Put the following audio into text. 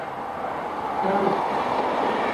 تارک